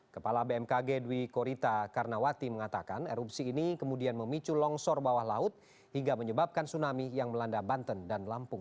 kepala bmkg dwi korita karnawati mengatakan erupsi ini kemudian memicu longsor bawah laut hingga menyebabkan tsunami yang melanda banten dan lampung